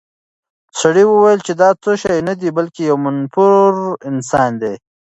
سړي وویل چې دا څه شی نه دی، بلکې یو منفور انسان دی.